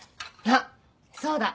あっそうだ。